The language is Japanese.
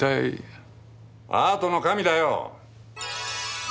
アートの神だよ。